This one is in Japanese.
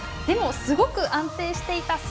でもすごく安定していた。